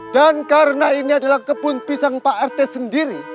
dan karena ini adalah kebun pisang pak artes sendiri